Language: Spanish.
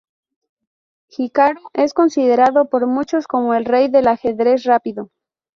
Hikaru es considerado por muchos como el rey del ajedrez rápido.